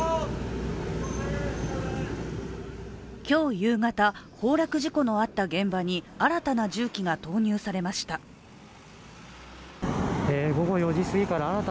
今日夕方、崩落事故のあった現場に新たな重機が投入されました。